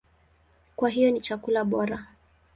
Kwa hiyo ni chakula bora.